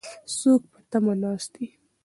څوک په تمه ناست دي؟